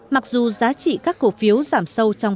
mặc dù giá trị các cổ phiếu giảm sâu trong